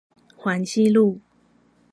環西路